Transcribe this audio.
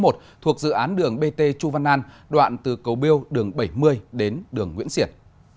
thuộc dự án đường bt chu văn an đoạn từ cầu biêu đường bảy mươi đến đường nguyễn xiển